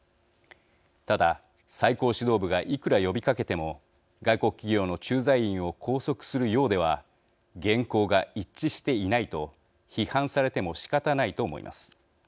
ただ、最高指導部がいくら呼びかけても外国企業の駐在員を拘束するようでは言行が一致していないと批判されても仕方ないと思います。